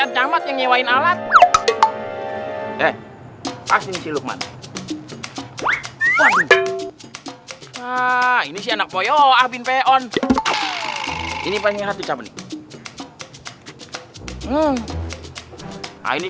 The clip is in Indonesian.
enggak taunya anak kampung memet semua udah sekarang kalian pulang pulang apa apa dicari